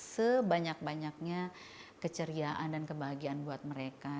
sebanyak banyaknya keceriaan dan kebahagiaan buat mereka